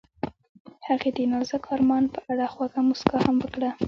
هغې د نازک آرمان په اړه خوږه موسکا هم وکړه.